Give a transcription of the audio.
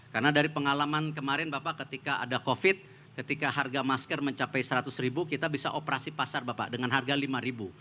karena dari pengalaman kemarin bapak ketika ada covid ketika harga masker mencapai seratus ribu kita bisa operasi pasar bapak dengan harga lima ribu